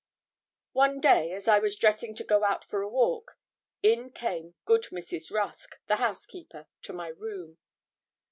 One day, as I was dressing to go out for a walk, in came good Mrs. Rusk, the housekeeper, to my room.